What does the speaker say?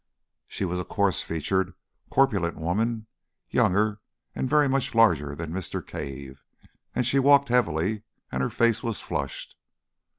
She was a coarse featured, corpulent woman, younger and very much larger than Mr. Cave; she walked heavily, and her face was flushed.